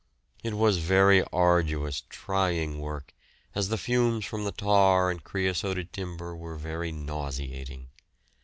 It was very arduous, trying work, as the fumes from the tar and creosoted timber were very nauseating.